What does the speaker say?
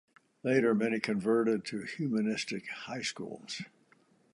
Later many converted to humanistic high schools.